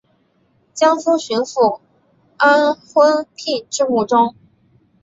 江苏巡抚宋荦聘致幕中。